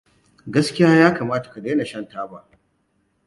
Gaskiya ya kamata ka daina shan taba.